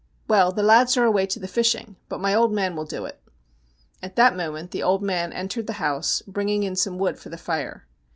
' Well, the lads are away to the fishing, but my old man will do it.' At that moment the ' old man ' entered the house, bring ing in some wood for the fire.